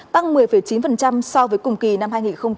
tăng một mươi chín so với cùng kỳ năm hai nghìn một mươi tám